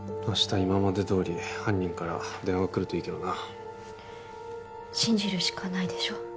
今までどおり犯人から電話来るといいけどな信じるしかないでしょ